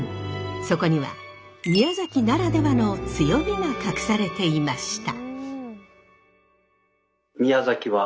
そこには宮崎ならではの強みが隠されていました。